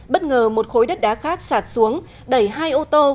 bất ngờ một khối đất đá khác sạt xuống đẩy hai ô tô